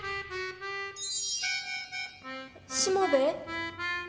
しもべえ？